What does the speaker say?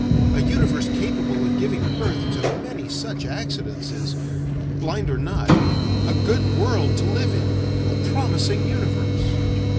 A universe capable of giving birth to many such accidents is blind or not a good world to live in, a promising universe.